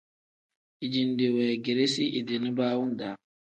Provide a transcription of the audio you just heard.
Dijinde weegeresi idi nibaawu-daa.